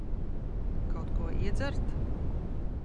Kaut ko iedzert?